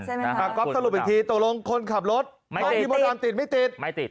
เราก๊อปสรุปอีกทีตัวลงคนขับรถผลลงพี่มดดำติดไม่ติด